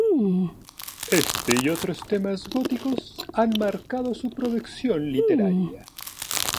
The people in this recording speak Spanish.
Este y otros temas góticos han marcado su producción literaria.